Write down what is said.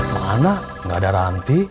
mana gak ada ranti